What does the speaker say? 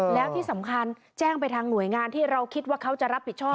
แล้วที่สำคัญแจ้งไปทางหน่วยงานที่เราคิดว่าเขาจะรับผิดชอบ